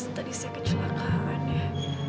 tadi saya kecelakaan ya